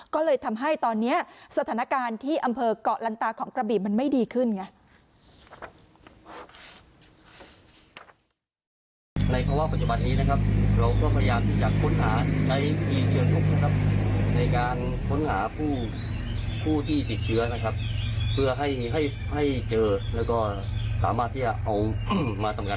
ก็เลยทำให้ตอนนี้สถานการณ์ที่อำเภอกเกาะลันตาของกระบี่มันไม่ดีขึ้นไง